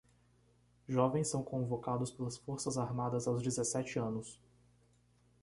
Jovens são convocados pelas forças armadas aos dezessete anos